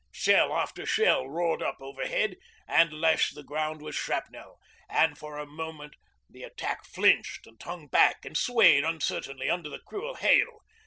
Shell after shell roared up overhead and lashed the ground with shrapnel, and for a moment the attack flinched and hung back and swayed uncertainly under the cruel hail.